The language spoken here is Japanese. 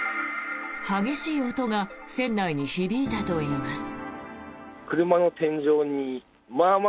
激しい音が船内に響いたといいます。